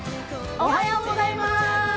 おはようございます！